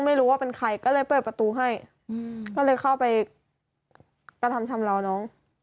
ไม่รู้ว่าเป็นใครก็เลยเปิดประตูให้ก็เลยเข้าไปกระทำชำราวน้อง